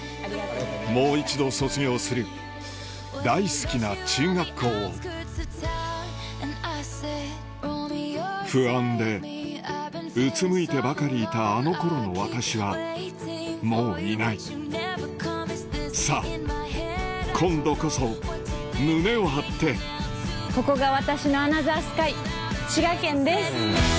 もう一度卒業する大好きな中学校を不安でうつむいてばかりいたあの頃の私はもういないさぁ今度こそ胸を張ってここが私のアナザースカイ滋賀県です。